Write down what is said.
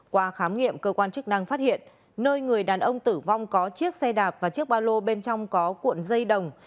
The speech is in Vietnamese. qua khám nghiệm cơ quan chức năng phát hiện nơi người đàn ông tử vong có chiếc xe đạp và chiếc ba lô bên trong có cuộn dây đồng